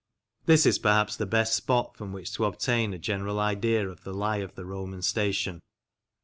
This is perhaps the best spot from which to obtain a general idea of the lie of the Roman station.